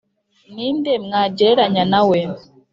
«Ni nde mwangereranya na we ?